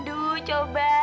aduh coba aja itu beneran ya